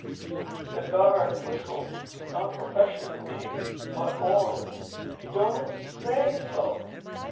The guard whistled not professionally, but orally. "You don't say so?"